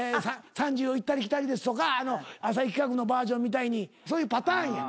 「３０をいったりきたりです」とか浅井企画のバージョンみたいにそういうパターンや。